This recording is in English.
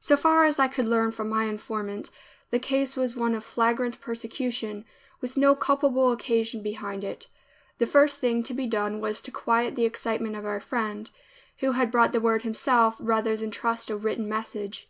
So far as I could learn from my informant, the case was one of flagrant persecution, with no culpable occasion behind it. The first thing to be done was to quiet the excitement of our friend, who had brought the word himself rather than trust a written message.